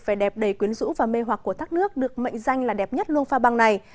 về đẹp đầy quyến rũ và mê hoạc của thác nước được mệnh danh là đẹp nhất luôn pha bằng này